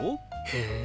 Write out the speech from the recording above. へえ！